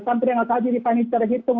sampai dengan saat ini fani terhitung